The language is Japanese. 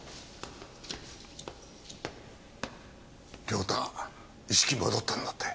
良太意識戻ったんだって？